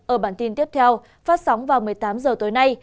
ở bản tin tiếp theo phát sóng vào một mươi tám h tối nay